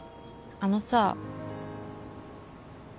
あのさ